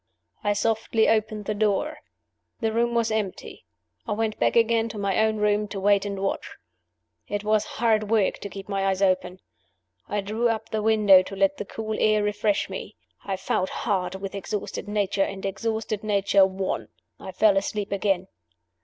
I softly opened the door. The room was empty. I went back again to my own room to wait and watch. It was hard work to keep my eyes open. I drew up the window to let the cool air refresh me; I fought hard with exhausted nature, and exhausted nature won. I fell asleep again.